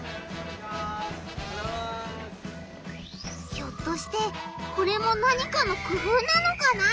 ひょっとしてこれも何かのくふうなのかな？